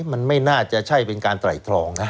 มันไม่น่าจะใช่เป็นการไตรตรองนะ